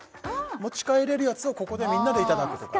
持ち帰れるやつをここでみんなでいただくとかね